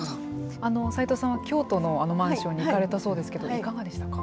齊藤さんは京都のあのマンションに行かれたそうですけどいかがでしたか。